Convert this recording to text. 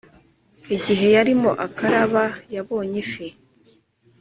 igihe yarimo akaraba, yabonye ifi